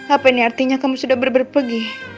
apa ini artinya kamu sudah berpergi